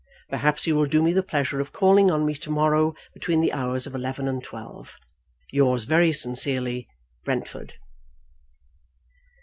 Perhaps you will do me the pleasure of calling on me to morrow between the hours of eleven and twelve. Yours very sincerely, BRENTFORD.